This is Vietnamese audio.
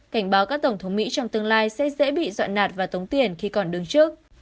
cảnh báo các tổng thống mỹ trong tương lai sẽ dễ bị dọa nạt và tống tiền khi còn đứng trước